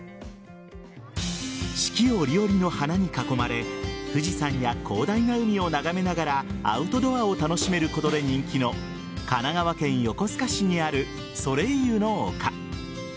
四季折々の花に囲まれ富士山や広大な海を眺めながらアウトドアを楽しめることで人気の神奈川県横須賀市にあるソレイユの丘。